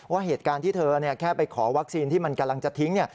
ว่าเหตุการณ์ที่เธอแค่ไปขอวัคซีนที่มันกำลังจะทิ้ง